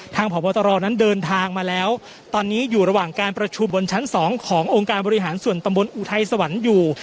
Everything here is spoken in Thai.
พบตรนั้นเดินทางมาแล้วตอนนี้อยู่ระหว่างการประชุมบนชั้นสองขององค์การบริหารส่วนตำบลอุทัยสวรรค์อยู่